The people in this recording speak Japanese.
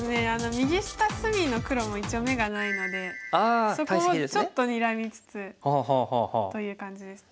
右下隅の黒も一応眼がないのでそこをちょっとにらみつつという感じですね。